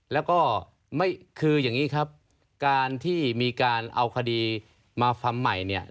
แล้วก็ไม่คืออย่างนี้ครับการที่มีการเอาคดีมาฟังใหม่เนี่ย